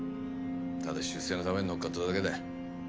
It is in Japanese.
ただ出世のためにのっかっただけだ。